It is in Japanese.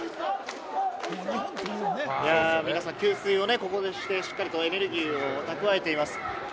みなさん給水をここでして、しっかりとエネルギーを蓄えています。